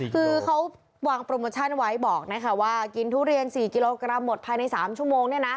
คือเขาวางโปรโมชั่นไว้บอกว่ากินทุเรียน๔กิโลกรัมหมดภายใน๓ชั่วโมง